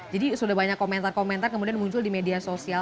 jadi sudah banyak komentar komentar kemudian muncul di media sosial